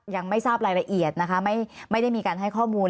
ยังไม่ทราบรายละเอียดนะคะไม่ได้มีการให้ข้อมูล